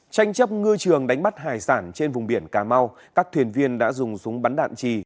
tranh chấp ngư trường đánh bắt hải sản trên vùng biển cà mau các thuyền viên đã dùng súng bắn đạn trì